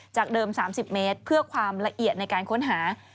จากเดิม๓๐เมตรเพื่อความละเอียดในการค้นหา